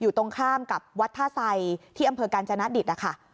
ตรงข้ามกับวัดท่าไซที่อำเภอกาญจนดิตนะคะ